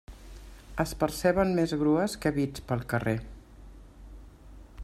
Es perceben més grues que bits pel carrer.